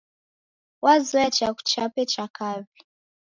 Wazoye chaghu chape cha kaw'i.